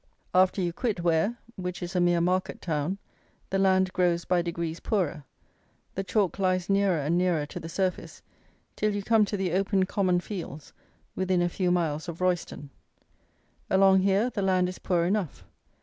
After you quit Ware, which is a mere market town, the land grows by degrees poorer; the chalk lies nearer and nearer to the surface, till you come to the open common fields within a few miles of Royston. Along here the land is poor enough.